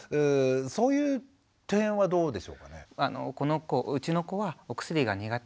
そういう点はどうでしょうかね。